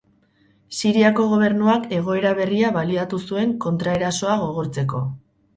Siriako Gobernuak egoera berria baliatu zuen kontraerasoa gogortzeko.